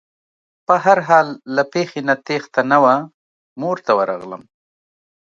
په هر حال له پېښې نه تېښته نه وه مور ته ورغلم.